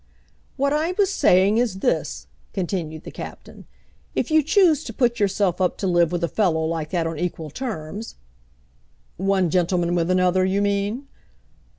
"What I was saying is this," continued the Captain. "If you choose to put yourself up to live with a fellow like that on equal terms " "One gentleman with another, you mean?"